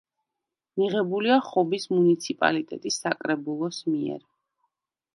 მიღებულია ხობის მუნიციპალიტეტის საკრებულოს მიერ.